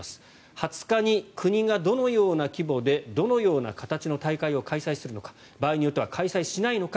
２０日に国がどのような規模でどのような形の大会を開催するのか場合によっては開催しないのか